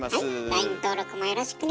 ＬＩＮＥ登録もよろしくね。